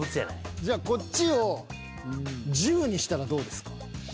じゃあこっちを１０にしたらどうですか？